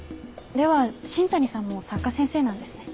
では新谷さんも作家先生なんですね。